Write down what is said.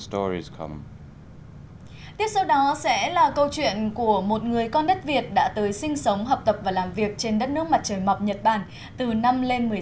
tiếp sau đó sẽ là câu chuyện của một người con đất việt đã tới sinh sống học tập và làm việc trên đất nước mặt trời mọc nhật bản từ năm lên một mươi sáu